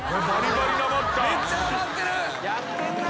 めっちゃなまってる。